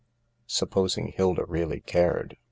Supposing Hilda really cared?